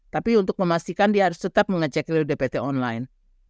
tapi untuk memastikan dia harus tetap mengecek dpt online